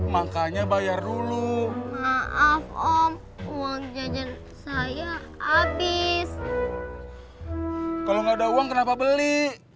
makanya bayar dulu maaf om uang jajan saya habis kalau nggak ada uang kenapa beli